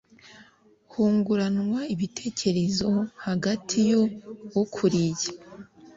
hunguranwa ibitekerezo hagati y ukuriye